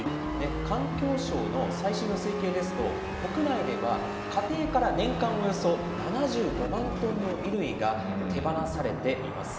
環境省の最新の推計ですと、国内では家庭から年間およそ７５万トンの衣類が手放されています。